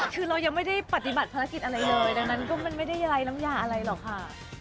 คือเรายังไม่ได้ปฏิบัติภารกิจอะไรเลยดังนั้นก็มันไม่ได้ไร้น้ำยาอะไรหรอกค่ะ